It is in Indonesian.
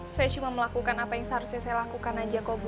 saya cuma melakukan apa yang seharusnya saya lakukan aja kok bu